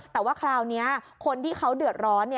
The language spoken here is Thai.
แต่ว่าคราวนี้คนที่เขาเดือดร้อน